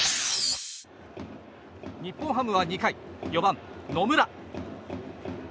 日本ハムは２回４番、野村。